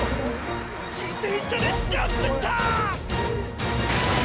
自転車でジャンプした！！